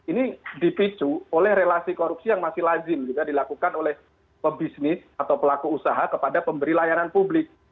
ini dipicu oleh relasi korupsi yang masih lazim juga dilakukan oleh pebisnis atau pelaku usaha kepada pemberi layanan publik